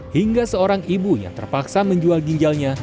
hingga seorang ibu yang terpaksa menjual ginjalnya